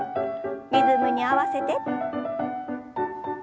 リズムに合わせて。